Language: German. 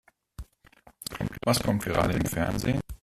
Was kommt gerade im Fernsehen?